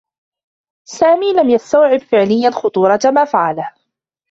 سامي لم يستوعب فعليا خطورة ما فعله.